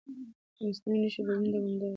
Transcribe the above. د مصنوعي نښې بدلون دوامداره دی.